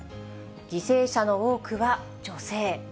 犠牲者の多くは女性。